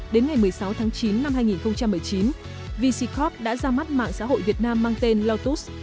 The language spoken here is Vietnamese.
đến ngày một mươi sáu tháng chín năm hai nghìn một mươi chín vc corp đã ra mắt mạng xã hội việt nam mang tên lotus